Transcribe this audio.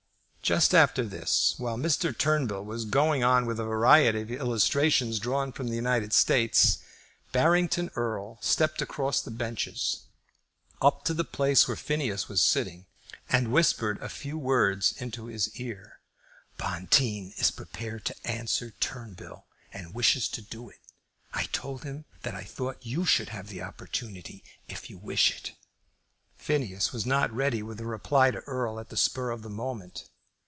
Just after this, while Mr. Turnbull was still going on with a variety of illustrations drawn from the United States, Barrington Erle stepped across the benches up to the place where Phineas was sitting, and whispered a few words into his ear. "Bonteen is prepared to answer Turnbull, and wishes to do it. I told him that I thought you should have the opportunity, if you wish it." Phineas was not ready with a reply to Erle at the spur of the moment.